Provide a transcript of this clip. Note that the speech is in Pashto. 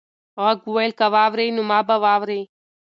غږ وویل چې که واوړې نو ما به واورې.